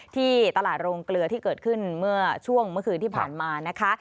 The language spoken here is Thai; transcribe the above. ที่ตลาดโรงเกลือที่เกิดขึ้นเมื่อช่วงเมื่อคืนที่ผ่านมานะคะ